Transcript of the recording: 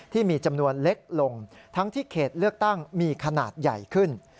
ที่มีจำนวนเล็กลงทั้งที่เขตเลือกตั้งมีขนาดใหญ่ขึ้น